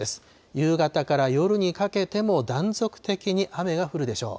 夕方から夜にかけても断続的に雨が降るでしょう。